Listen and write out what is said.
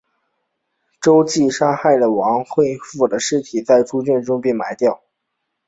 周玘杀害了王恢并将尸首在猪圈中埋掉。